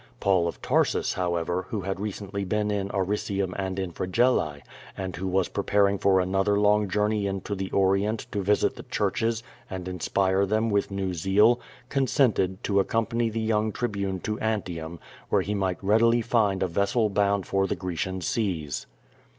Paul of Tarsus, however, who had recently been in ; Ariciiim and inFregellae, and who was preparing for another ■ long journey into the Orient to visit the churches and in > spire them with new zeal, consented to accompany the young / Tribune to Antium, where he might readily find a vessel / bound for the Grecian seas.